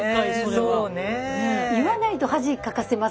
言わないと恥かかせますからね。